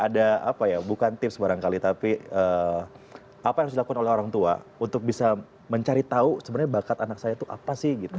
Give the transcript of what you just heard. ada apa ya bukan tips barangkali tapi apa yang harus dilakukan oleh orang tua untuk bisa mencari tahu sebenarnya bakat anak saya itu apa sih gitu